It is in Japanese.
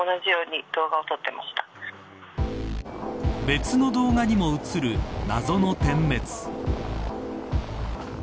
別の動画にも映る謎の点滅。